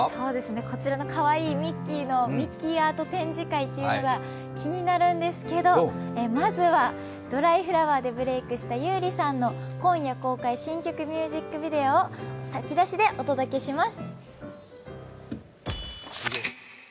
こちらのかわいいミッキーのミッキーアート展示会が気になるんですけど、まずは「ドライフラワー」でブレークした優里さんの今夜公開新作ミュージックビデオを先出しでお届けします。